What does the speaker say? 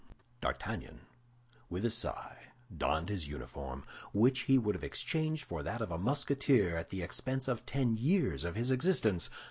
D'Artagnan, with a sigh, donned his uniform, which he would have exchanged for that of a Musketeer at the expense of ten years of his existence.